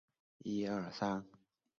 加速青春痘或香港脚的治愈。